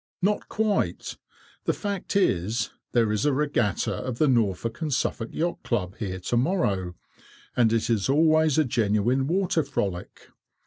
"Not quite. The fact is, there is a regatta of the Norfolk and Suffolk Yacht Club here to morrow, and it is always a genuine water frolic.